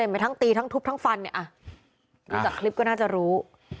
เห็นไหมทั้งตีทั้งทุบทั้งฟันเนี้ยอ่ะดูจากคลิปก็น่าจะรู้